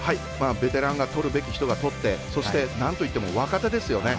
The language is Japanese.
ベテランがとるべき人がとってそして、なんといっても若手ですよね。